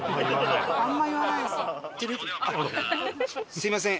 すみません